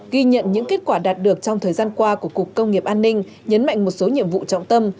ghi nhận những kết quả đạt được trong thời gian qua của cục công nghiệp an ninh nhấn mạnh một số nhiệm vụ trọng tâm